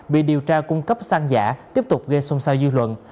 bị điều tra cung cấp xăng giả tiếp tục gây xung sao dư luận